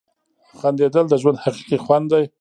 • خندېدل د ژوند حقیقي خوند دی.